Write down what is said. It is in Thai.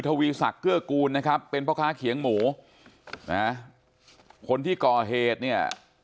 ทวีศักดิ์เกื้อกูลนะครับเป็นพ่อค้าเขียงหมูนะคนที่ก่อเหตุเนี่ย